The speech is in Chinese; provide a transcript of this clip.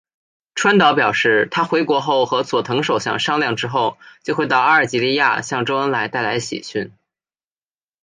川岛表示他回国后和佐藤首相商量之后就会到阿尔及利亚向周恩来带来喜讯。